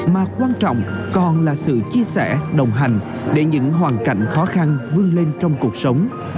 mà quan trọng còn là sự chia sẻ đồng hành để những hoàn cảnh khó khăn vươn lên trong cuộc sống